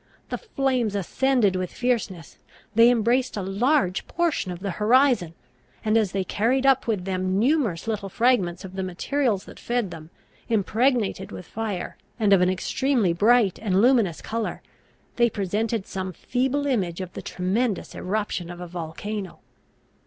The flames ascended with fierceness; they embraced a large portion of the horizon; and, as they carried up with them numerous little fragments of the materials that fed them, impregnated with fire, and of an extremely bright and luminous colour, they presented some feeble image of the tremendous eruption of a volcano.